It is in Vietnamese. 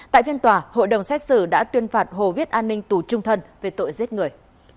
tại phiên tòa hội đồng xét xử đã tuyên phạt hồ viết an ninh tù trung thân về tội giết người